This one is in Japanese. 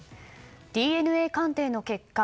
ＤＮＡ鑑定の結果